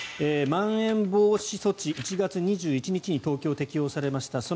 まん延防止措置、１月２１日に東京、適用されました。